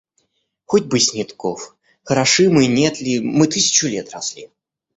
Хоть бы Снетков... Хороши мы, нет ли, мы тысячу лет росли.